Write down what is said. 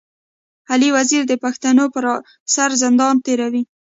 علي وزير د پښتنو پر سر زندان تېروي.